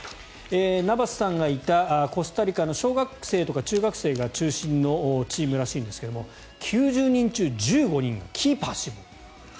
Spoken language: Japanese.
ナバスさんがいたコスタリカの小学生とか中学生が中心のチームらしいんですが９０人中１５人がキーパー志望。